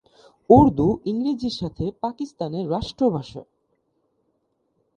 উর্দু ইংরেজির সাথে পাকিস্তান এর রাষ্ট্রভাষা।